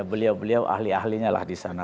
beliau beliau ahli ahlinya lah di sana